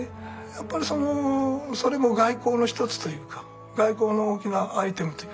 やっぱりそれも外交の一つというか外交の大きなアイテムというかね